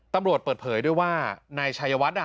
ตำรวจเปิดเผยด้วยว่านายชัยวัด